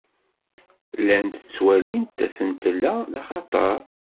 Llant ttwalint asentel-a d axatar.